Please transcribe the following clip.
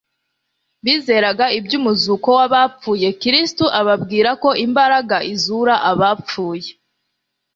bizeraga iby'umuzuko w'abapfuye. Kristo ababwirako imbaraga izura abapfuye